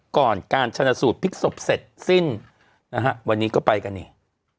ก่อนการชนะสูตรพลิกศพเสร็จสิ้นนะฮะวันนี้ก็ไปกันนี่